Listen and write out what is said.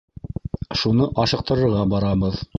— Шуны ашыҡтырырға барабыҙ.